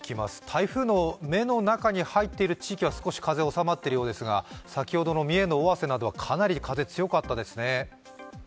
台風の目の中に入っている地域は少し風は収まっているようですが先ほどの三重の尾鷲などはかなり風強かったですね。